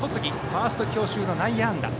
ファースト強襲の内野安打。